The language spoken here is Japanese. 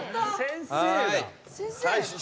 先生！